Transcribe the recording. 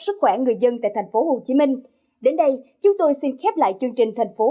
sức khỏe người dân tại thành phố hồ chí minh đến đây chúng tôi xin khép lại chương trình thành phố